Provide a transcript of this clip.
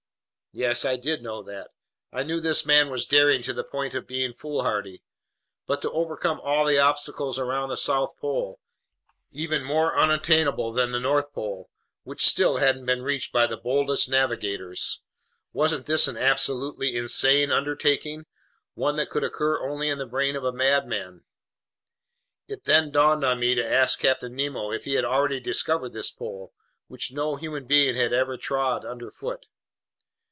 Yes, I did know that! I knew this man was daring to the point of being foolhardy. But to overcome all the obstacles around the South Pole—even more unattainable than the North Pole, which still hadn't been reached by the boldest navigators—wasn't this an absolutely insane undertaking, one that could occur only in the brain of a madman? It then dawned on me to ask Captain Nemo if he had already discovered this pole, which no human being had ever trod underfoot.